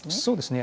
そうですね。